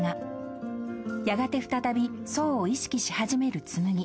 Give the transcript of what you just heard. ［やがて再び想を意識し始める紬］